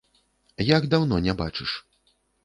Як даўно не бачыш?